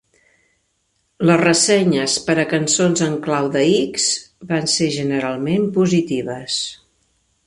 Les ressenyes per a "Cançons en clau de X" van ser generalment positives.